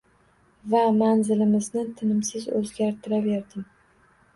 Va manzilimni tinimsiz o’zgartiraverdim.